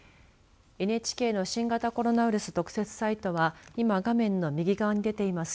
ＮＨＫの新型コロナウイルス特設サイトは今、画面の右側に出ています